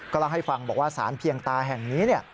เล่าให้ฟังบอกว่าสารเพียงตาแห่งนี้